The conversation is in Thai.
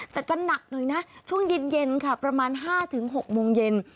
แต่จะหนักหน่อยนะช่วงเย็นค่ะประมาณ๕๖โมงเย็น